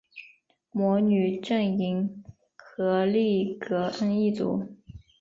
魔女阵营荷丽歌恩一族